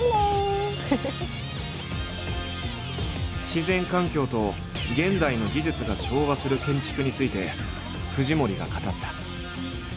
自然環境と現代の技術が調和する建築について藤森が語った。